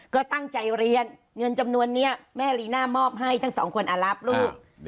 ก็ตั้งใจเรียนเงินจำนวนนี้แม่ลีน่ามอบให้ทั้งสองคนรับลูก